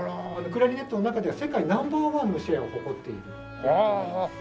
クラリネットの中では世界ナンバーワンのシェアを誇っているといわれております。